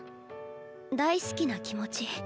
大好きな気持ち。